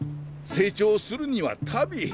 成長するには旅。